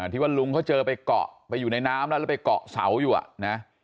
ที่ว่าลุงเขาเจอไปเกาะไปอยู่ในน้ำแล้วแล้วไปเกาะเสาอยู่อ่ะนะ